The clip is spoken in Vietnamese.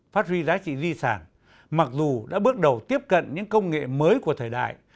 phát huy giá trị di sản mặc dù đã bước đầu tiếp cận những công nghệ mới của thời đại